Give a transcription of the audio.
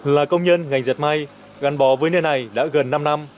là công nhân ngành giật may gắn bò với nơi này đã gần năm năm